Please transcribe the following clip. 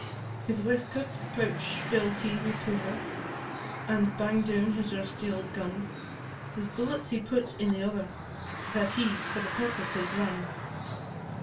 His waistcoat pouch fill'd he wi' pouther, And bang'd down his rusty auld gun; His bullets he put in the other, That he for the purpose had run.